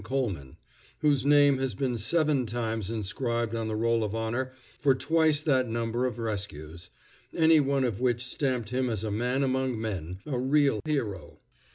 Coleman, whose name has been seven times inscribed on the roll of honor for twice that number of rescues, any one of which stamped him as a man among men, a real hero.